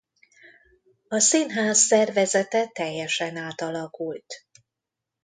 A színház szervezete teljesen átalakult.